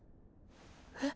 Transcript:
えっ。